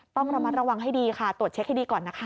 ต้องระมัดระวังให้ดีค่ะตรวจเช็คให้ดีก่อนนะคะ